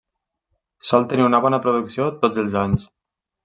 Sol tenir una bona producció tots els anys.